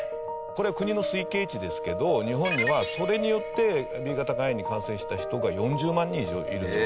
これは国の推計値ですけど日本ではそれによってＢ型肝炎に感染した人が４０万人以上いると。